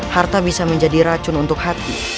harta bisa menjadi racun untuk hati